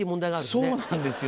そうなんですよ